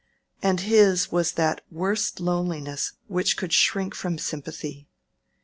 And his was that worst loneliness which would shrink from sympathy.